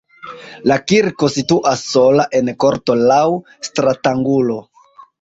La kirko situas sola en korto laŭ stratangulo.